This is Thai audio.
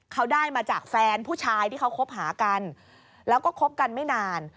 เขาได้มาจากแฟนผู้ชายที่เขาคบหากันแล้วก็คบกันไม่นาน